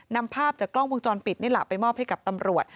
นำภาพจากกล้องวงจรปิดนี่แหละไปมอบให้กับตำรวจ